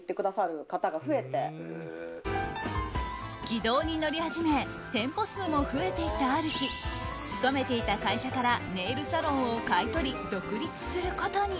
軌道に乗り始め店舗数も増えていったある日勤めていた会社からネイルサロンを買い取り独立することに。